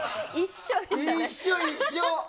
一緒、一緒！